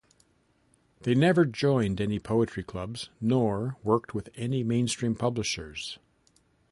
She never joined any poetry clubs nor worked with any mainstream publishers.